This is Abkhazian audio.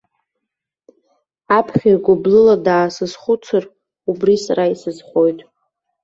Аԥхьаҩ гәыблыла даасызхәыцыр, убри сара исызхоит.